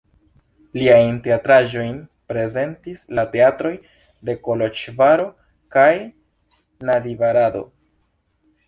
Liajn teatraĵojn prezentis la teatroj de Koloĵvaro kaj Nadjvarado.